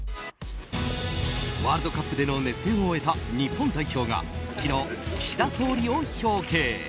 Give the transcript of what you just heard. ワールドカップでの熱戦を終えた日本代表が昨日、岸田総理を表敬。